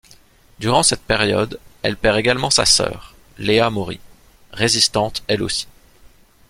Durant cette période, elle perd également sa sœur, Léa Maury, résistante elle aussi.